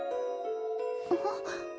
あっ。